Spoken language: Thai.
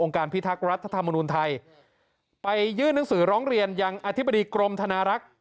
การพิทักษ์รัฐธรรมนุนไทยไปยื่นหนังสือร้องเรียนยังอธิบดีกรมธนารักษ์